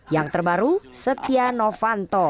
yang terbaru setia novanto